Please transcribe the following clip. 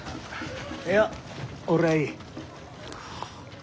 いや俺はいい。